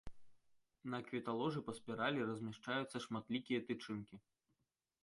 На кветаложы па спіралі размяшчаюцца шматлікія тычынкі.